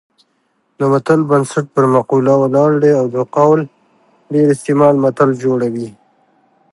د متل بنسټ پر مقوله ولاړ دی او د قول ډېر استعمال متل جوړوي